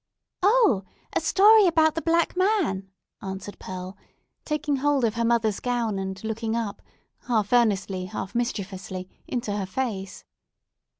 "Oh, a story about the Black Man," answered Pearl, taking hold of her mother's gown, and looking up, half earnestly, half mischievously, into her face.